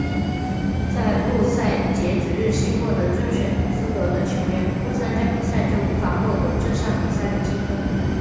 在入赛截止日期获得正选资格的球员不参加比赛就无法获得这项比赛的积分。